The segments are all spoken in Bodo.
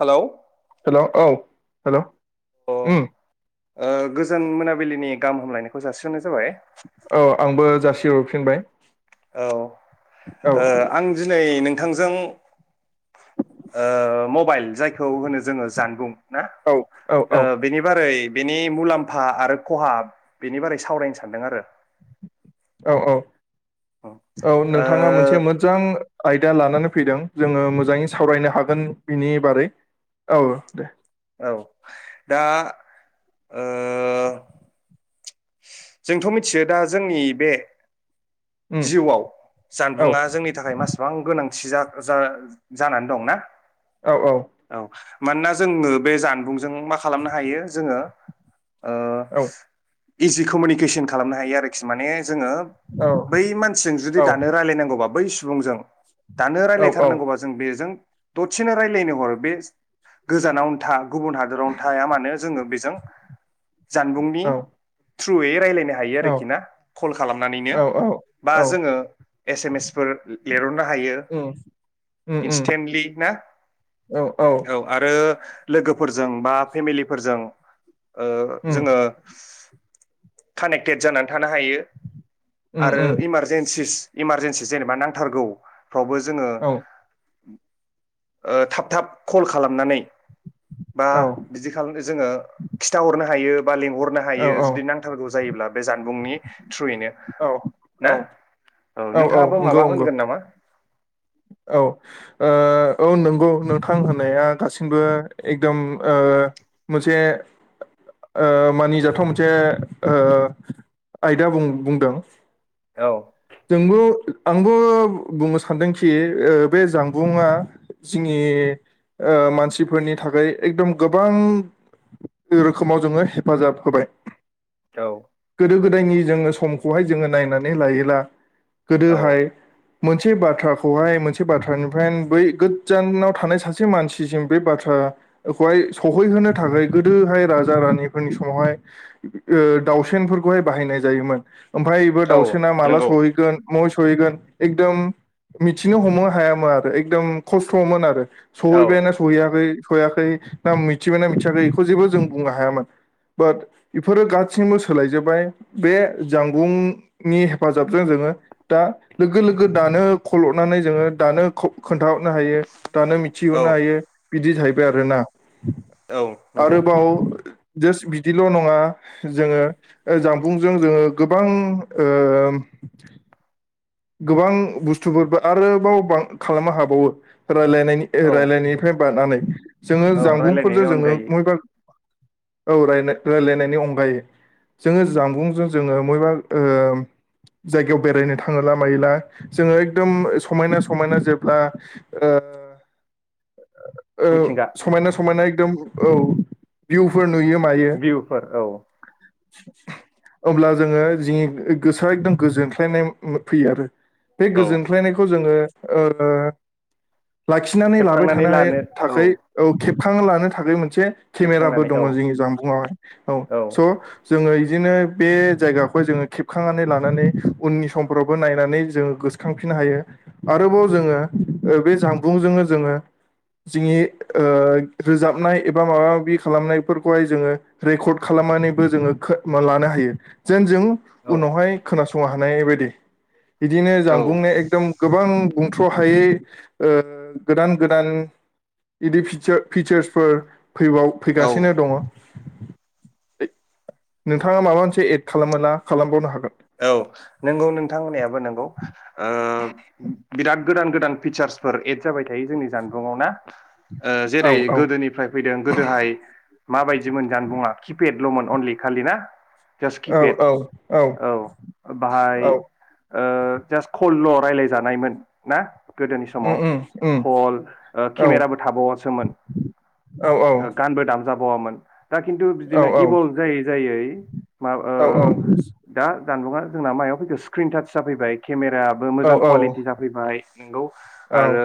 हेलौ हेलौ औ हेलौ अ ओ गोजोन मोनाबिलिनि गाहाम हामलायनायखौ जासिहनाय जाबाय। औ आंबो जासिहरफिनबाय। औ ओ औ आं दिनै नों नोंथांजों ओ मबाइल जायखौ होनो जोङो जानबुं। ना औ औ औ ओ बेनि बारै बेनि मुलाम्फा आरो खहा बेनि बारै सावरायनो सानदों आरो औ औ। ओ औ नोंथाङा मोनसे मोजां आयदा लानानै फैदों जोङो मोजाङै सावरायनो हागोन बिनि बारै, औ दे। औ दा ओ जोंथ मिथियो दा जोंनि बे उम जिउआव औ जानबुंङा जोंनि थाखाय मासेबां गोनां। [unintelligible] जानानै दं ना। औ। मानोना जोंनो बे जानबुं जों मा खालामनो हायो जोङो ओ औ इजि कमिउनिकेसन खालामनो हायो आरोखि माने जोंङो औ बै मानसिजों जुदि औ दानो रायलायनांगौबा बै सु सुबुंजों दानो औ रायलायथारनांगौबा जों बेजों दरसेनो राय्लायनो हरो बे गोजानावथा। गुबुन हादोरावनो थाया मानो जोङो। जों जानबुंनि औ थ्रुयै रायलाय हायो आरो खिना खलखालामनानैनो औ औ बा औ जोङो एस एम एसफोर लिरहरनो हायो उम उम उम इनसतेनलि औ आरो। लोगोफोरजों बा फेमिलिफोरजों। ओ उम जोङो कानेक्टेड जाना थानो हायो उम आरो उम इमारजिन्सिस इमारजिन्सिस जेनेबा नांथारगौ फावबो जोङो औ ओ थाब-थाब कल खालामनानै। बा औ बिदि खालामनो जोङो खिथाहरनो हायो बा लिंहरनो औ हायो। नांथारगौ जायोब्ला बे जानबुंनि थ्रुयैनो औ ना औ औ नोंथाङाबो माबा होनगोन नामा? औ ओ औ नंगौ नोंथां होनाया गासिमबो एखदम ओ मोनसे ओ मानिजाथाव मोनसे ओ आयदा बुं-बुंदों औ। जोंबो आंबो बुंनो सानदोंखि ओ बे जानबुङा जोंनि ओ मानसिफोरनि थाखाय एकदम गोबां रोखोमाव जोङो हेफाजाब होबाय। औ गोदो गोदायनि जोङो समखौहाय जोङो नायनानै लायोला औ गोदोहाय मोनसे बाथ्राखौहाय मोनसे बाथ्रानिफ्राय बै गोजानाव थानाय सासे मानसिसिम बे बाथ्राखौहाय सहैहोनो थाखाय गोदोहाय राजा रानिफोरनि समावहाय ओ दावसेनफोरखौहाय बाहायनाय जायोमोन ओमफ्रायबो एबो औ दाउसेना माला नंगौ सहै महै सहैगोन एकदम मिथिनो हमनो हायामोन आरो एकदम खस्थमोन आरो औ सहैबायना सहैयाखै? सयाखै ना मिथिबाय ना मिथियाखै बेखौ जेबो जों बुंनो हायामोन बाट एफोरो गाथसिमो सोलायजोबबाय बे जानबुंनि हेफाजाबजों जोङो दा लोगो लोगो दानो खल हरनानै जोङो दानो खोन्थाहरनो हायो दानो औ मिथिहरनो हायो। बिदि जाहैबाय आरो ना औ नंगौ आरोबाव जास्ट बिदिल' नङा जोङो ओ जामबुंजों जोङो गोबां ओम गोबां बुस्थुफोरबो आरोबाव खालामनो हाबावो रायलायनायनि औ ओ रायलायनायनिफ्राय बारनानै जोङो औ जामबुंफोरजों रायलायनायनि जोङो अनगायै मयबा औ राय रायलायनायनि अनगायै जोङो जानबुंजों जोङो मयबा ओ जायगायाव बेरायनो थां थाङोला मायोला जोङो एकदम समायना समायना जेब्ला ओ ओ मिथिंगा समायना समायना दोम औ बिउफोर बिउफोर औ आब्ला जोङो जो गोसोआ एकदम गोजोनस्लायनाय फैयो आरो बे औ गोजोनख्लायनायखौ जोङो ओ लाखिनानै लाबाय था सेबखांनानै थानो हायै लानो थाखै औ खेब बां लानो थाखायमोन। से केमेराबो खेबखांनानै दङ औ जोंनि जानबुंङावहाय औ स' जोङो बिदिनो बे जायगाखौ जोङो खेबखांनानै लानानै उननि समफ्रावबो नायनानै जोङो गोसोखांफिननो हायो आरोबाव जोङो ओ बे जामबुंजोंनो जोङो जि जोंनि ओ रोजाबनाय एबा माबा माबि खालामनायफोरखौहाय जोङो रेकर्ड खालामनानैबो जोङो खा लानो हायो जों जों औ उनावहाय खोनासं फुंयाव हानाय बायदि। बिदिनो जानबुंनो एकदम गोबां बुंथ्र हायै ओ गोदान गोदान बिदि फिसा-फिचार्सफोर फैबाव औ फैगासिनो दङ। नोंथाङा माबा मोनसे एड खालामो ना खालामबावनो हागोन औ नंगौ नोंथांमोनायाबो नंगौ ओ बिराद गोदान गोदान फिचार्सफोर एद जाबाय थायो जोंनि जानबुङाव ना? ओ औ जेरै औ गोदोनिफ्राय फैदों गोदोहाय माबायदिमोन जानबुङा किपेडलमोन अनलि खालि ना जास्ट औ किपेड औ औ औ बाहाय औ जास्ट कल ल रायलायजानायमोन ना गोदोनि उम समाव उम उम कल औ केमेराबो थाबावासोमोन औ औ गानबो दाम जाबावामोन दा खिन्थु औ बिदिनो इभल्भ जायै जायै औ औ औ। दा जानबुङा जोंना मायाव फैखो स्क्रिनटाच जाफैबाय केमे आबो औ मोजां कुवालिटि जाफैबाय नोंगौ। औ आरो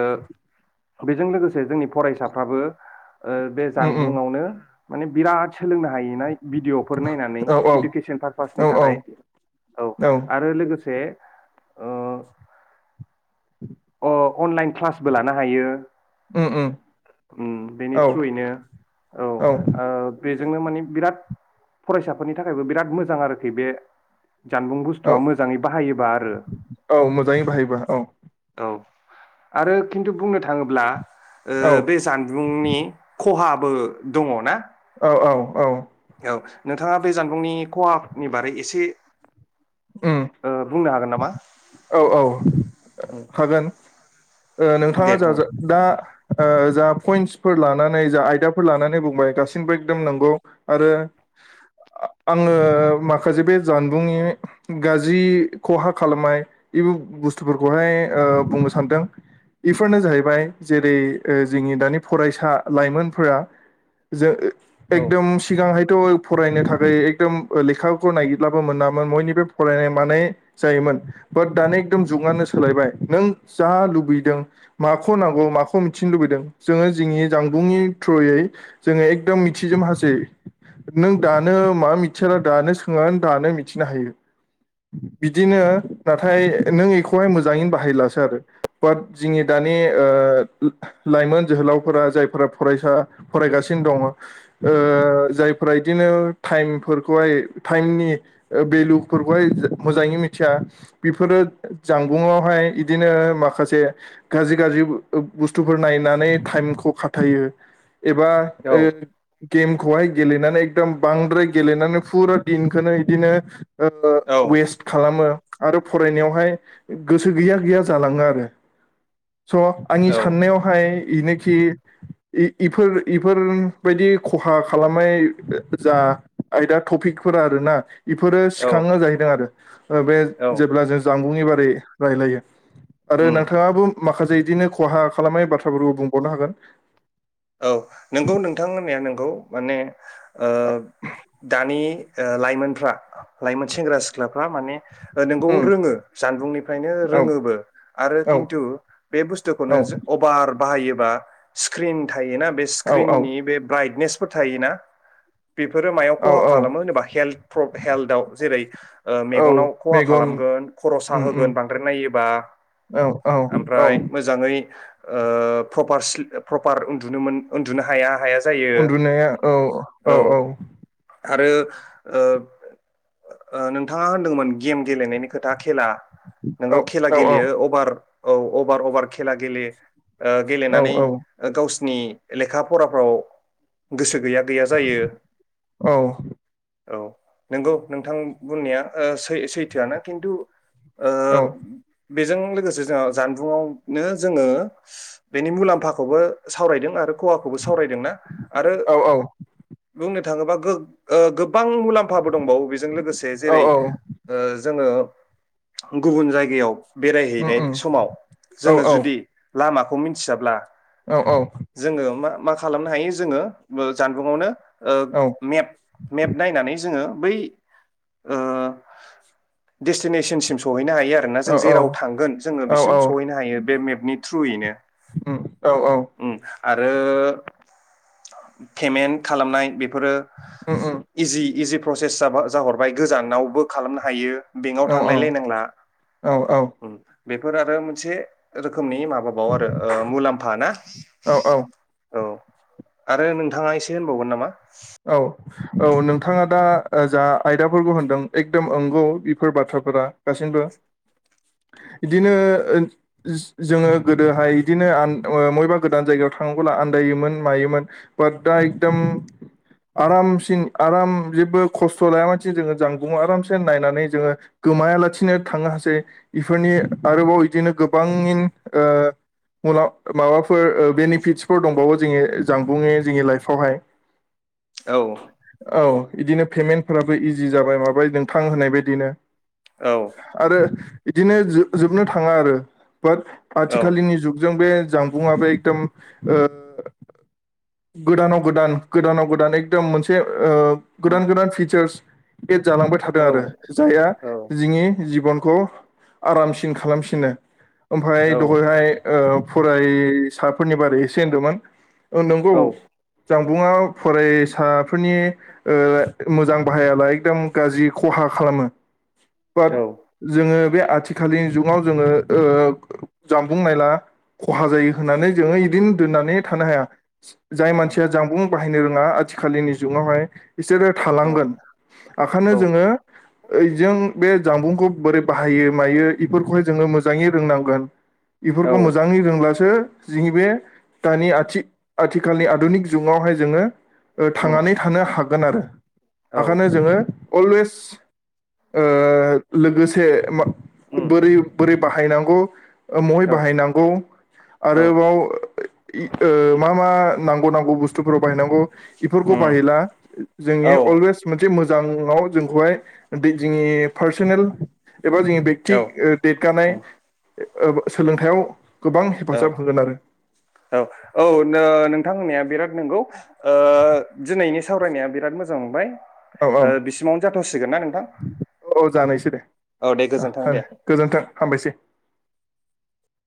बेजों लोगोसे जोंनि फरायसाफ्राबो ओ बे उम उम जानबुंआवनो माने बिराद सोलोंनो हायो ना? भिडिअ'फोर नायनानै औ इडुकेसन औ पारपासनि थाखाय औ औ आरो लोगो गोसे ओ अ अनलाइन क्लासबो लानो हायो। उम उम ओम बेनि औ थ्रयैनो औ बेजोंनो मानि बिराद फरायसाफोरनि थाखायबो बिराद मोजां आरोखि बे जानबुं औ बुस्थुआ मोजाङै बाहायोबा आरो औ मोजाङै बाहायोबा औ औ आरो खिन्थु बुंनो थाङोब्ला औ बे जानबुंनि खहाबो दङ ना। औ औ औ। औ नोंथांङा बे जानबुंनि खहानि बारै एसे उम ओ बुंनो हागोन नामा? औ औ हागोन ओ दे नोंथाङा बुं जाज दा ओ जा पइन्टसफोर लानानै जा आयदाफोर लानानै बुंबाय गासिबो एकदम नंगौ आरो आङो माखासे बे जानबुंनि गाज्रि खहा खालामनाय बे बुस्थुफोरखौहाय बुंनो सानदों बेफोरनो जाहैबाय जेरै जोंनि दानि फरायसा लाइमोनफोरा जों औ एकदम सिगांहाय थ फरायनो थाखाय एकदम लेखाखौ नायगिरब्लाबो मोनामोन बयनिबो फरायनाय मानाय जायोमोन। बाट दानि एकदम जुगानो सोलायबाय नों जा लुबैदों माखौ नांगौ, माखौ मिथिनो लुबैदों, जोङो जोंनि जानबुंनि थ्रुयै जोङो एकदम मिथिजोब हासै नों दानो मा मिथियाला दानो सोंना दानो मिथिनो हायो बिदिनो नाथाय नों इखौहाय मोजाङैनो बाहायलासो आरो बाट जोंनि दानि ओ उम लाइमोन जोहोलावफोरा जायफोरा फरायसा फरायगासिनो दङ ओ जायफोरा इदिनो टाइमफोरखौहाय टाइमनि ओ भेलुफोरखौहाय जो मोजाङै मिथिया। बेफोरो जानबुंआवहाय इदिनो माखासे गाज्रि गाज्रि बुस्थुफोर नायनानै टाइमखौ खाथायो। एबा ओ औ गेमखौहाय गेलेनानै एकदम बांद्राय गेलेनानै फुरा दिनखोनो इदिनो ओ ओ औ वेस्ट खालामो, आरो फरायनायावहाय गोसो गैया गैया जालाङो आरो। स आंनि औ साननायावहाय इनोखि इ-इफोर इफोरबायदि खहा खालामनाय जा आयदा टपिकफोर आरोना इफोरो औ सिखाङो जाहैदों आरो बे औ जेब्ला जों जानबुं एबा बे रायलायो। आरो उम नोंथाङाबो माखासे इदिनो खहा खालामनाय बाथ्राफोरखौ बुंबावनो हागोन। औ नोंगौ नोंथां होन्नाया नोंगौ माने ओ दानि ओ लाइमोनफ्रा लाइमोन सेंग्रा सिख्लाफ्रा माने नोंगौ उम रोङो जानबुंनिफ्रायनो औ रोङोबो आरो औ खिन्थु बे औ बुस्थुखौनो जो अभार बाहायोबा स्क्रिन थायो ना। बे औ स्क्रिननि बे ब्राइटनेस फोर थायोना बेफोरो मायाव औ खहा औ खालामो होनोबा हेल्थ प्रब हेल्थआव जेरै [inaudible] ओ औ मेगनाव खहा मेगन खालामगोन खर उम उम साहोगोन बांद्राय नायोबा औ औ ओमफ्राय औ मोजाङै ओ प्रपार स्लि प्र पार उन्दुनोमोन उन्दुनो हाया हाया जायो उन्दुनाया औ औ आरो ओ ओ नोंथाङा होनदोंमोन गेम गेलेनायनि खोथा खेला औ नोंगौ खेला गेलेयो अभार औ अभार अभार खेला गेले ओ औ गेलेनानै खसनि लेखा फराफ्राव गोसो गैया गैया जायो औ नोंगौ नोंथां बुंनाया ओ सै-सैथोयानो खिन्थु ओ औ। बेजों लोगोसे जोंहा जानबुंआवनो जोङो बेनि मुलाम्फा खौबो सावरायदों आरो खहाखौबो सावरायदोंना आरो औ बुंनो थाङोबा गो ओ गोबां मुलाम्फा दंबावो बेजों लोगोसे औ जेरै औ ओ जोङो गुबुन जायगायाव उम बेरायहैनाय उम समाव औ जोङो जुदि लामाखौ मिथियाब्ला औऔ जोङो मा मा खालामनो हायो जोङो ओ जानबुंआवनो ओ मेप मेप नायनानै जोङो बै अ डेस्टिनेसनसिम सहै मोनो हायो आरोना जों जेराव थांगोन जोङो औ बिसिम औ सहैनो हायो बे मेपनि थ्रुयैनो। औऔ उम आरो पेमेन्ट खालामनाय बे बेफोरो उम उम इजि-इजि प्रसेस जाबाय जाहरबाय गोजानावबो खालामनो हायो बेंक आव औ थांलायलायनांला औ बेफोर आरो मोनसे रोखोम रोखोमनि माबाबाव आरो ओ मुलामफा। औऔ औ आरो नोंथाङा एसे होनबावगोन नामा? औ औ नोंथाङा दा ओ जा आयदाफोरखौ होनदों एकदम अंगौ बेफोर बाथ्राफोरा दासिमबो इदिनोह ओ जो-जोङो गोदोहाय इदिनो आन माइबा गोदान जायगायाव थांबोला आन्दायोमोन मायोमोन बाद दा एकदम आरामसिन आराम जेबो खस्थ लायामासि जोङो जानबुंङा आरामसे नायनानै जोङो गोमायालासिनो थांनो हासै इफोरनि आरोबाव इदिनो गोबां इन ओ मुलाव ओ माबाफोर ओ बेनिफिटसफोर दंबावो जोङनि जानबुंङनि जोंनि लाइफआवहाय। औ औ। इदिनो पेमेन्टफोराबो इजि जाबाय माबाय नोंथां होनाय बायदिनो। औ आरो इदिनो जो-जोबनो थाङा आरो बाट औ आथिखालिनि जुगजों बे जामबुंङा बे एकदम ओ गोदानाव गोदान गोदानाव गोदान एकदम मोनसे ओ गोदान गोदान फिचार्स एद जालांबाय थादों औ आरो जायहा औ जोंनि जिबनखौ आरामसिन खालामसिनो ओमफ्राय औ दहायहाय ओ फरायसाफोरनि बारै एसे होनदोंमोन ओ नंगौ जामबुंङा फरायसाफोरनि ओ मोजां बाहायाला एकदम गाज्रि खहा खालामो बाट जोङो बे आथिखालनि जुगाव जोङो ओ जामबुं नायला खहा जायो होननानै जोङो इदिनो दोननानै थानो हाया ज-जाय मानसिया जामबुं बाहायनो रोङा आथिखालिनि जुगावहाय ईसोरो औ थालांगोन आखानो जोङो यैजों बे जामबुंखौ बोरै बाहायो मायो इफोरखौहाय जोङो मोजांइ रोंनांगोन औ बेफोरखौ मोजांयै रोंब्लासो जोंनि बे दानि आथि-आथिखालनि आदुनिख जुगावहाय जोङो ओ उम औ थांनानै उम थानो हागोन आरो औ उम ओखानो जोङो अलवेस ओ लोगोसे मा औ बोरै बोरै बाहायनांगौ ओ महै औ बाहायनांगौ आरोबाव ओ इ मा मा नांगौ नांगौ बुस थुफोरखौ बाहायनांगौ इफोरखौ उम बाहायला जोंनि औ अलवेस मोनसे मोजाङाव जोंखौहाय बे जोंनि पार्सनेल एबा जोंनि बेक्ति ओ देदगानाय ओ सोलोंथायाइयाव गोबां हेफाजाब होगोन आरो। औ नो नोंथां होननाया बेराद नोंगौ ओ दिनैनि सावरायनाया बिराद मोजां मोनबाय। औ औ औ ओ बिसिमावनो जाथ'सिगोन ना नोंथां औ जानायसै दे औ दे ओ गोजोन्थों ओ दे गोजोन्थों हामबायसै